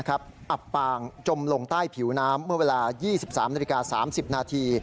อับปางจมลงใต้ผิวน้ำเมื่อเวลา๒๓นาฬิกา๓๐นาที